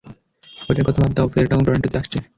ওটার কথা বাদ দাও, ফোরটাউন টরন্টোতে আসছে!